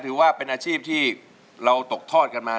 เพื่อจะไปชิงรางวัลเงินล้าน